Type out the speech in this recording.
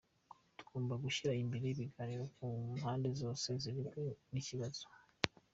Tugomba gushyira imbere ibiganiro ku mpande zose zirebwa n’ikibazo.